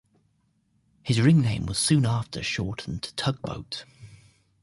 His ring name was soon after shortened to Tugboat.